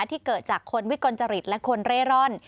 ที่เกิดจากคนวิกลจริตและคนเร่ร่อน